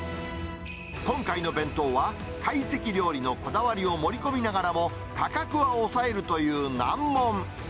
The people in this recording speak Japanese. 今回の弁当は、会席料理のこだわりを盛り込みながらも、価格は抑えるという難問。